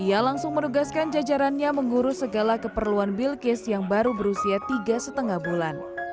dia langsung merugaskan jajaran mengurus segala keperluan yang baru berusia tiga setengah bulan